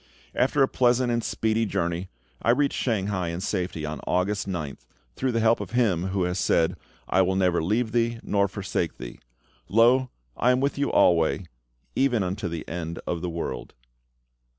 After a pleasant and speedy journey, I reached Shanghai in safety on August 9th, through the help of Him who has said, "I will never leave thee, nor forsake thee;" "Lo, I am with you alway, even unto the end of the world."